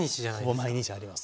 ほぼ毎日あります。